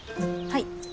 はい。